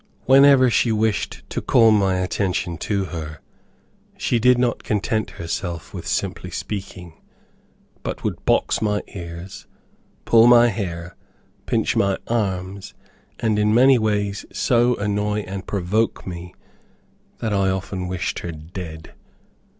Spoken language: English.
Whenever she wished to call my attention to her, she did not content herself with simply speaking, but would box my ears, pull my hair, pinch my arms, and in many ways so annoy and provoke me that I often wished her dead.